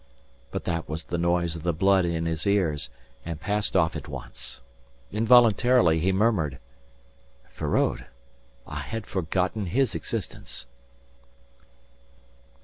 But that was the noise of the blood in his ears and passed off at once. Involuntarily he murmured: "Feraud! I had forgotten his existence."